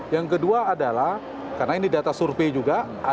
yang kedua adalah karena ini data survei juga